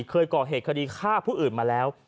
เคยก่อเหตุคดีฆ่าผู้อื่นมาแล้ว